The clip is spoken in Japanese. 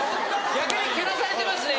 逆にけなされてますね